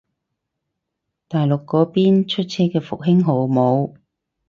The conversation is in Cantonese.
大陸嗰邊出車嘅復興號冇